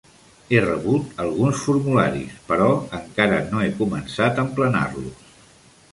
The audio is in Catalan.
He rebut alguns formularis, però encara no he començat a emplenar-los.